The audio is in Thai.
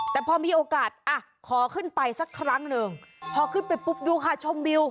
แต่พอมีโอกาสอ่ะขอขึ้นไปสักครั้งหนึ่งพอขึ้นไปปุ๊บดูค่ะชมวิว